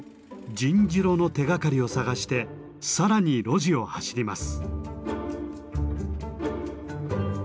「じんじろ」の手がかりを探して更に路地を走ります。